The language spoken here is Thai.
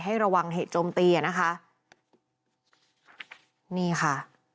ระวังเหตุโจมตีอ่ะนะคะนี่ค่ะ